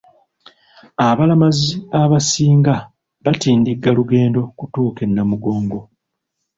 Abalamazi abasinga batindiga lugendo kutuuka e Namugongo.